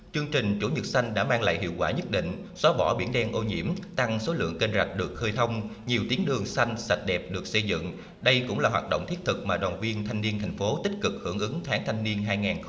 chương trình chủ nhật xanh đã mang lại hiệu quả nhất định xóa bỏ biển đen ô nhiễm tăng số lượng kênh rạch được khơi thông nhiều tuyến đường xanh sạch đẹp được xây dựng đây cũng là hoạt động thiết thực mà đoàn viên thanh niên thành phố tích cực hưởng ứng tháng thanh niên hai nghìn hai mươi bốn